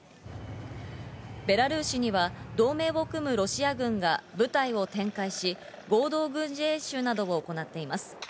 ベラルーシには同盟を組むロシア軍が部隊を展開し、合同軍事演習などを行っています。